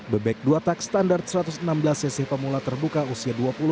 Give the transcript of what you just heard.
bebek dua tak standar satu ratus enam belas cc pemula terbuka usia dua puluh